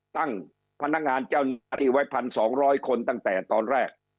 ตั้งพนักงานเจ้าหน้าที่ไว้๑๒๐๐คนตั้งแต่ตอนแรก